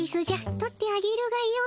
とってあげるがよい。